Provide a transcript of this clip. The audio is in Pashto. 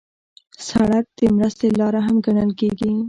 سړک د مرستې لاره هم ګڼل کېږي.